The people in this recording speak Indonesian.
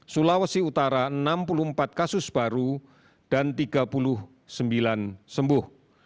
sulawesi utara enam puluh empat kasus baru dan tiga puluh sembilan sembuh